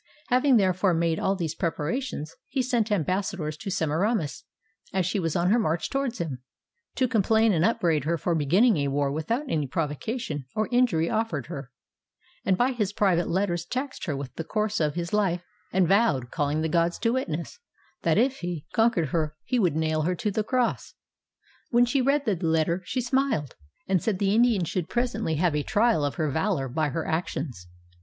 Having therefore made all these preparations, he sent ambassadors to Semiramis (as she was on her march towards him) , to complain and upbraid her for beginning a war without any provocation or injury offered her; and by his private letters taxed her with her course of life, and vowed (calling the gods to witness) that if he conquered her he would nail her to the cross. When she read the letter, she smiled, and said the Indian should presently have a trial of her valor by her actions.